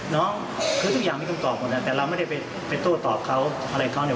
น้องคือทุกอย่างมีคำตอบหมดแล้วแต่เราไม่ได้ไปโต้ตอบเขาอะไรเขาเนี่ย